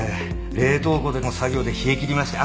冷凍庫での作業で冷えきりましたよ。